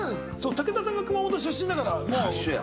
武田さんが熊本出身だから、もう。